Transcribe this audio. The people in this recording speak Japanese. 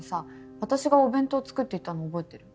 私がお弁当作っていったの覚えてる？